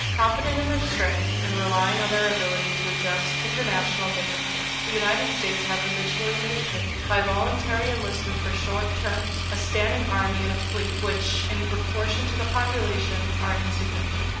Confident in their strength, and relying on their ability to adjust international differences, the United States have habitually maintained, by voluntary enlistment for short terms, a standing army and a fleet which, in proportion to the population, are insignificant.